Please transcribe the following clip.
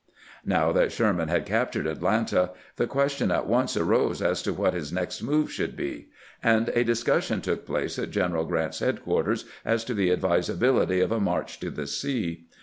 Now that Sherman had captured Atlanta, the question at once arose as to what his next move should be ; and a discussion took place at General Grant's headquarters as to the advisability of a march to the sea.